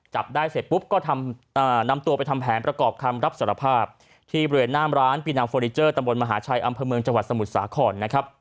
จับได้เสร็จปุ๊บก็นำตัวไปทำแผนประกอบคำรับสารภาพที่บริเวณหน้ามร้านปีนังเฟอร์นิเจอร์ตำบลมหาชัยอำเภอเมืองจังหวัดสมุทรสาครนะครับ